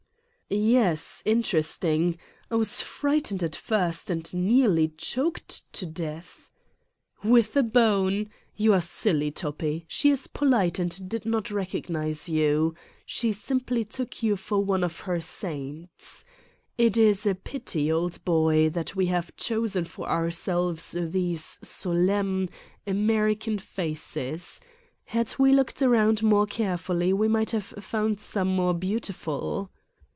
"Y yes, interesting. I was frightened at first and nearly choked to death " 47 'Satan's Diary "With a bone? You are silly, Toppi: she is polite and did not recognize you. She simply took you for one of her saints. It is a pity, old boy, that we have chosen for ourselves these solemn, American faces: had we looked around more carefully we might have found some more beau tiful."